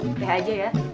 udah aja ya